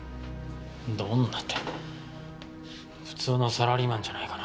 どんなって普通のサラリーマンじゃないかな。